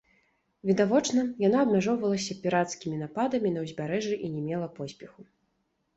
Відавочна, яна абмяжоўвалася пірацкімі нападамі на ўзбярэжжы і не мела поспеху.